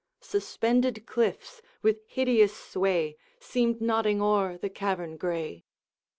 Suspended cliffs with hideous sway Seemed nodding o'er the cavern gray.